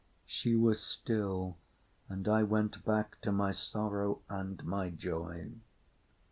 She was still, and I went back to my sorrow and my joy.